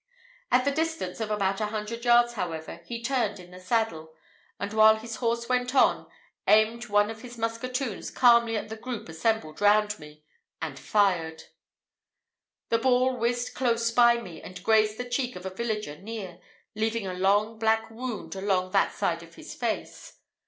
At the distance of about a hundred yards, however, he turned in the saddle, and while his horse went on, aimed one of his musketoons calmly at the group assembled round me, and fired. The ball whizzed close by me, and grazed the cheek of a villager near, leaving a long black wound along that side of his face.